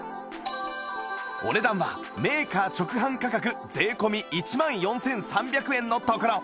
お値段はメーカー直販価格税込１万４３００円のところ